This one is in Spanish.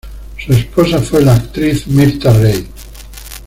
Su esposa fue la actriz Mirtha Reid.